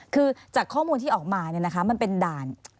คือจากข้อมูลที่ออกมาเนี่ยนะคะมันเป็นด่าน